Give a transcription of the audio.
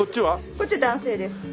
こっちは男性です。